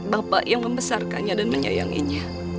bapak yang membesarkannya dan menyayanginya